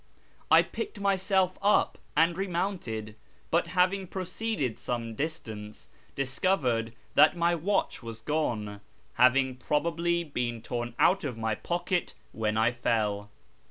I picked myself up and re mounted, but having proceeded some distance, discovered that my watch was gone, having probably been torn out of my pocket when I fell.